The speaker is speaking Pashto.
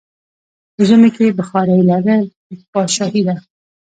په ژمی کې بخارا لرل پادشاهي ده.